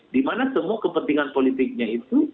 di mana semua kepentingan politiknya itu